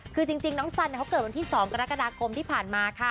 คือจริงน้องสันเขาเกิดวันที่๒กรกฎาคมที่ผ่านมาค่ะ